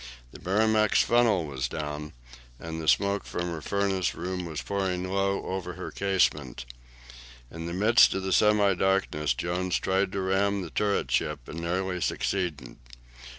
The "Merrimac's" funnel was down, and the smoke from her furnace room was pouring low over her casemate. In the midst of the semi darkness Jones tried to ram the turret ship, and nearly succeeded.